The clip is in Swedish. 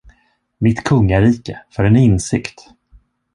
Mitt kungarike för en insikt!